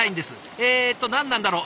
えっと何なんだろう。